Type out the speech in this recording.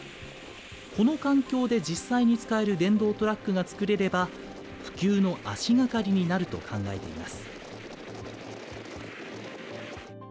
この環境で実際に使える電動トラックを作れれば、普及の足がかりになると考えています。